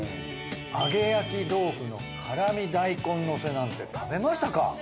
揚げ焼き豆腐のからみ大根のせなんて食べましたか？